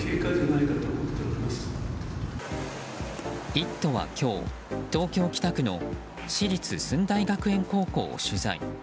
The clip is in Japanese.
「イット！」は今日東京・北区の私立駿台学園高校を取材。